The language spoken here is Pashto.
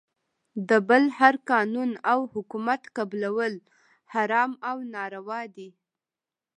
د بل هر قانون او حکومت قبلول حرام او ناروا دی .